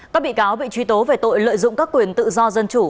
các bị cáo bị truy tố về tội lợi dụng các quyền tự do dân chủ